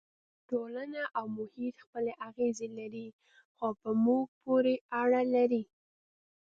ټولنه او محیط خپلې اغېزې لري خو په موږ پورې اړه لري.